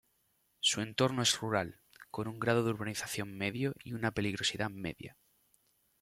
Su entorno es rural, con un grado de urbanización medio y una peligrosidad media.